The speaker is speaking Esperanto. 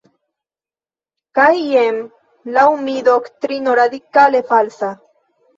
Kaj jen, laŭ mi, doktrino radikale falsa"".